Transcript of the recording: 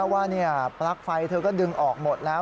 ปลั๊กไฟเธอก็ดึงออกหมดแล้ว